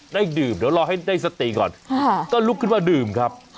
ได้ดื่มเดี๋ยวรอให้ได้สติก่อนก็ลุกขึ้นมาดื่มครับ